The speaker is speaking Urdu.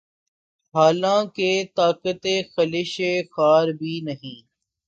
حال آنکہ طاقتِ خلشِ خار بھی نہیں